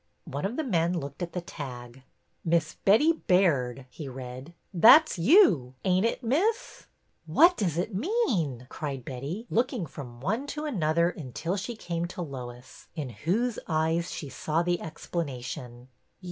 One of the men looked at the tag. "' Miss Betty Baird/ " he read. " That 's you, ain't it, Miss? " "What does it mean?" cried Betty, looking from one to another until she came to Lois, in whose eyes she saw the explanation.